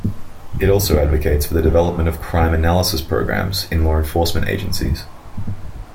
It also advocates for the development of crime analysis programs in law enforcement agencies.